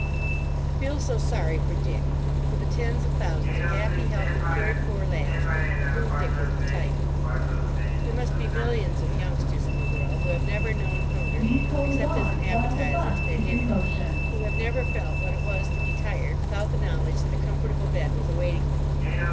I feel so sorry for Dick—for the tens of thousands of happy, healthy, cared for lads of whom Dick is the type. There must be millions of youngsters in the world who have never known hunger, except as an appetiser to their dinner; who have never felt what it was to be tired, without the knowledge that a comfortable bed was awaiting them.